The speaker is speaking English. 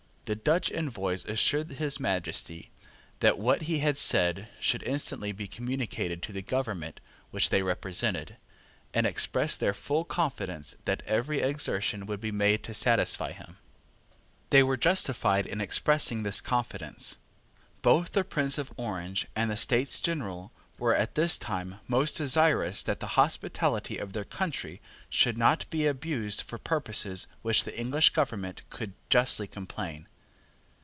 The Dutch envoys assured his Majesty that what he had said should instantly be communicated to the government which they represented, and expressed their full confidence that every exertion would be made to satisfy him. They were justified in expressing this confidence. Both the Prince of Orange and the States General, were, at this time, most desirous that the hospitality of their country should not be abused for purposes of which the English government could justly complain.